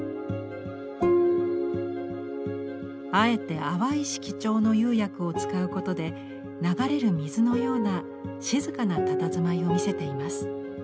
あえて淡い色調の釉薬を使うことで流れる水のような静かなたたずまいを見せています。